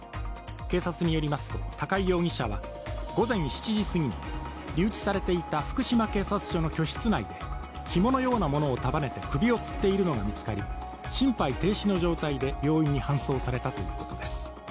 警察によりますと、高井容疑者は午前７時すぎ、留置されていた福島警察署の居室内でひものようなものを束ねて首をつっているのが見つかり心肺停止の状態で病院に搬送されたということです。